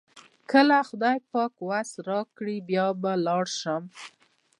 کله خدای پاک وس راکړ بیا به لاړ شم.